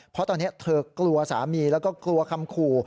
เพราะตอนนี้เธอกลัวสามีแล้วก็กลัวคำขู่